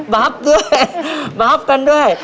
บับด้วยบับกันด้วย